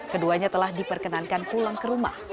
keduanya telah diperkenankan pulang ke rumah